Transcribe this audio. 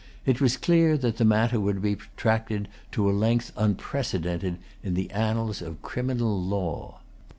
It was clear that the matter would be protracted to a length unprecedented in the annals of criminal law.